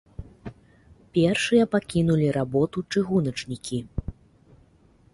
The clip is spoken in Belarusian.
Першыя пакінулі работу чыгуначнікі.